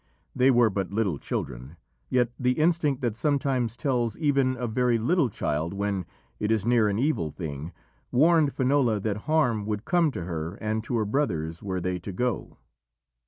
They were but little children, yet the instinct that sometimes tells even a very little child when it is near an evil thing, warned Finola that harm would come to her and to her brothers were they to go.